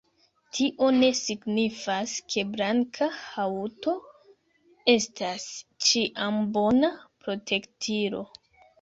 Tio ne signifas, ke blanka haŭto estas ĉiam bona protektilo.